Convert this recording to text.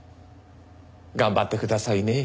頑張ってくださいね。